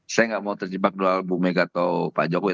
saya tidak mau terjebak doa bu meganya atau pak jokowi